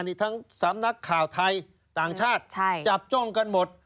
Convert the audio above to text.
นี่ทั้งสำนักข่าวไทยต่างชาติจับจ้องกันหมด